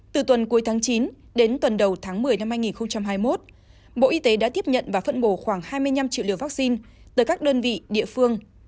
từ tuần cuối tháng chín đến tuần đầu tháng một mươi năm hai nghìn hai mươi một bộ y tế đã tiếp nhận và phân bổ khoảng hai mươi năm triệu liều vaccine tới các đơn vị địa phương